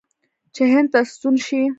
چې هند ته ستون شي.